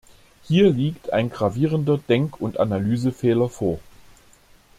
Hier liegt ein gravierender Denk- und Analysefehler vor.